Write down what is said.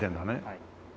はい。